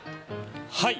はい。